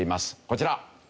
こちら。